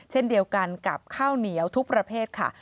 เช่นเดียวกันกับข้าวเหนียวทุกประเภทค่ะ